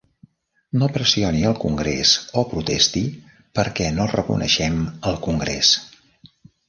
No pressioni al Congrés o protesti perquè no reconeixem el Congrés!